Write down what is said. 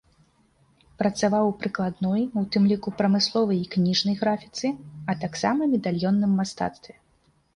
Працаваў у прыкладной, у тым ліку, прамысловай і кніжнай графіцы, а таксама медальённым мастацтве.